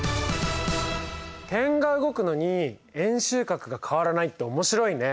点が動くのに円周角が変わらないって面白いね。